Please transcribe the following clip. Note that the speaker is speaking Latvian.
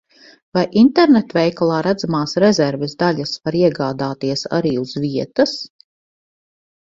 Vai internetveikalā redzamās rezerves daļas var iegādāties arī uz vietas?